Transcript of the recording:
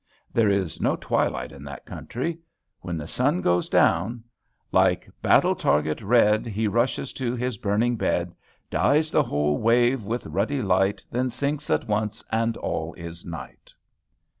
There is no twilight in that country. When the sun goes down, "Like battle target red, He rushes to his burning bed, Dyes the whole wave with ruddy light, Then sinks at once, and all is night."